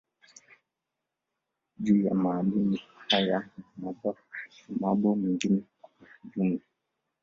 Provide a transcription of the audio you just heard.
Juu ya Madini haya na mabo mengine kwa ujumla